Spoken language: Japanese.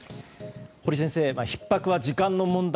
堀先生ひっ迫は時間の問題。